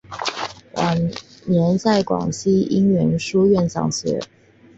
晚年在广东应元书院讲学。